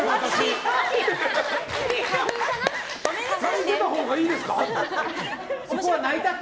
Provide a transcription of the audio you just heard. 泣いてたほうがいいですかって。